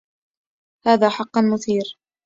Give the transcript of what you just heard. هذا حقا مثير